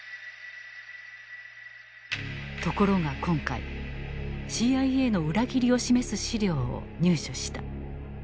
ところが今回ＣＩＡの「裏切り」を示す資料を入手した。